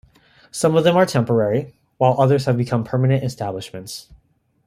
Some of them are temporary, while others have become permanent establishments.